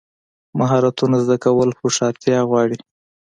مهارتونه زده کول هوښیارتیا غواړي.